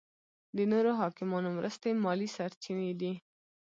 د نورو حاکمانو مرستې مالي سرچینې دي.